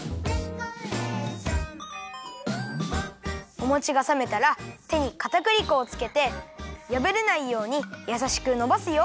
おもちがさめたらてにかたくり粉をつけてやぶれないようにやさしくのばすよ。